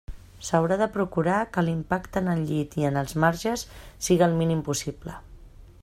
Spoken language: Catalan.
S'haurà de procurar que l'impacte en el llit i en els marges siga el mínim possible.